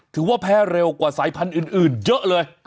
ถือว่าแพ้เร็วกว่าสายพันธุ์อื่นเยอะเลย